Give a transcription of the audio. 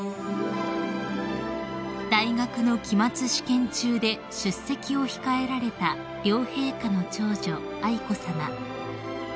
［大学の期末試験中で出席を控えられた両陛下の長女愛子さま］